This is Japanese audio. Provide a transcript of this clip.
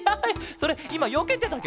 それいまよけてたケロ？